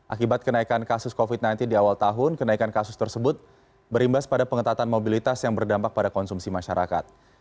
akibat kenaikan kasus covid sembilan belas di awal tahun kenaikan kasus tersebut berimbas pada pengetatan mobilitas yang berdampak pada konsumsi masyarakat